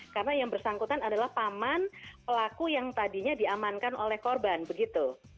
karena yang bersangkutan adalah paman pelaku yang tadinya diamankan oleh korban begitu